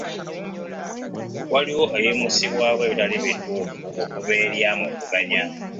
Waliwo ebimusibwako ebitali bituufu okuva eri amuvuganya.